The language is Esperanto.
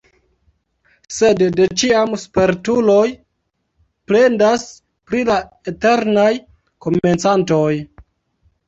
Sed de ĉiam spertuloj plendas pri la eternaj komencantoj.